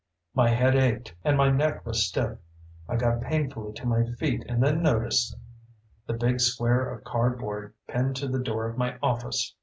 My head ached and my neck was stiff. I got painfully to my feet and then noticed the big square of cardboard pinned to the door of my office.